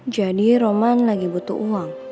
jadi roman lagi butuh uang